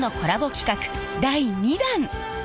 企画第２弾！